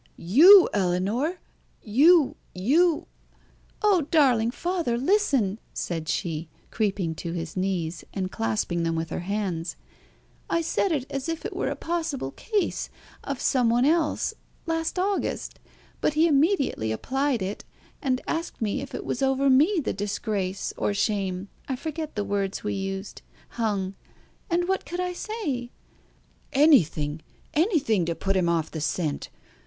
"You, Ellinor! You you " "Oh, darling father, listen!" said she, creeping to his knees, and clasping them with her hands. "I said it, as if it were a possible case, of some one else last August but he immediately applied it, and asked me if it was over me the disgrace, or shame I forget the words we used hung; and what could I say?" "Anything anything to put him off the scent.